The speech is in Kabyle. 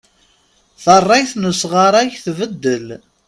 Tarrayt n usɣray tbeddel.